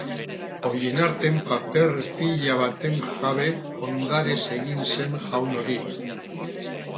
Oihenarten paper pila baten jabe ondarez egin zen jaun hori.